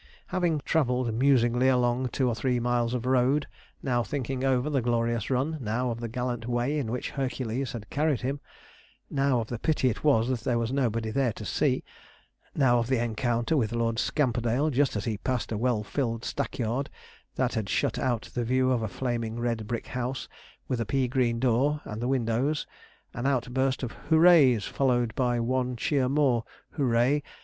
Having travelled musingly along two or three miles of road, now thinking over the glorious run now of the gallant way in which Hercules had carried him now of the pity it was that there was nobody there to see now of the encounter with Lord Scamperdale, just as he passed a well filled stackyard, that had shut out the view of a flaming red brick house with a pea green door and windows, an outburst of 'hoo rays!' followed by one cheer more 'hoo ray!'